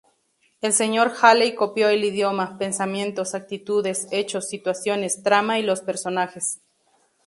El Sr. Haley copió el idioma, pensamientos, actitudes, hechos, situaciones, trama y los personajes.